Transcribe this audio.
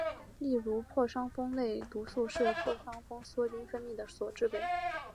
例如破伤风类毒素是由破伤风梭菌分泌的所制备。